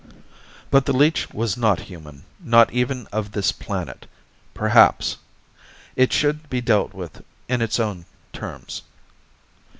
But the leech was not human, not even of this planet, perhaps. It should be dealt with in its own terms.